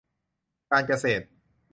การเกษตร